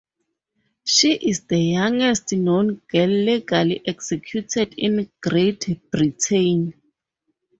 She is the youngest known girl legally executed in Great Britain.